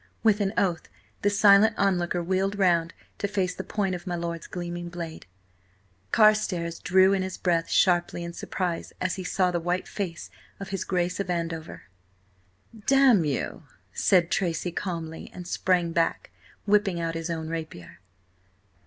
With an oath the silent onlooker wheeled round to face the point of my lord's gleaming blade. Carstares drew in his breath sharply in surprise as he saw the white face of his Grace of Andover. "Damn you!" said Tracy calmly, and sprang back, whipping out his own rapier.